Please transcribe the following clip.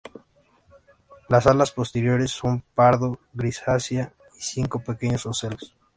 Las alas posteriores son pardo-grisáceas y cinco pequeños ocelos.